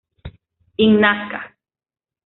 In Nasca.